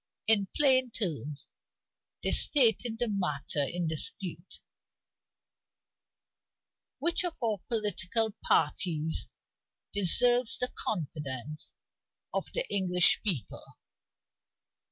In plain terms, they stated the matter in dispute: "Which of our political parties deserves the confidence of the English people?"